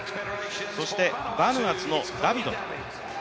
そしてバヌアツのダビド。